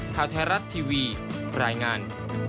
ข่าวไทยรัฐทีวีรายงาน